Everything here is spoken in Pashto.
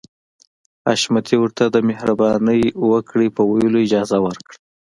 حشمتي ورته د مهرباني وکړئ په ويلو اجازه ورکړه.